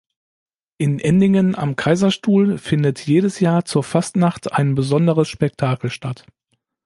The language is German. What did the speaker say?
In Endingen am Kaiserstuhl findet jedes Jahr zur Fastnacht ein besonderes Spektakel statt.